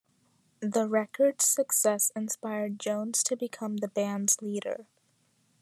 The record's success inspired Jones to become the band's leader.